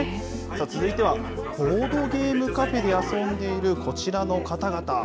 続いては、ボードゲームカフェで遊んでいるこちらの方々。